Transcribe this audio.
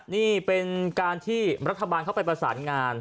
นี่เป็นการที่รัฐบาลเข้าไปประสานงาน